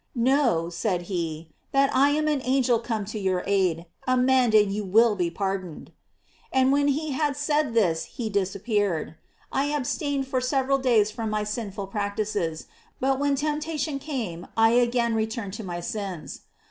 Know,' said he, 'that I am an angel come to your aid; amend and you will be pardoned.' And when he had said this he disappeared. I abstained for several days from my sinful practices, but when * Prato. Pior. 1. 3, Es. 105. GLORIES OF MAKY. 709 temptation came I again returned to my sins.